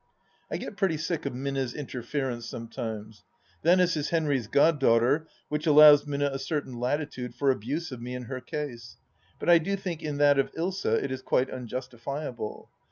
I get pretty sick of Minna's interference sometimes. Venice is Henry's goddaughter, which allows Minna a certain latitude for abuse of me in her case, but I do think in that of Ilsa it is quite unjustifiable.